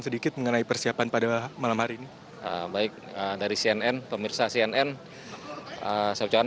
sedikit mengenai persiapan pada malam hari ini baik dari cnn pemirsa cnn saya ucapkan